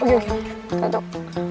oh iya manjut